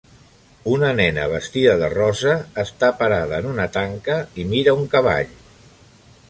Una nena vestida de rosa està parada en una tanca i mira un cavall